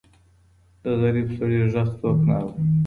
د غریب سړي ږغ څوک نه اوري.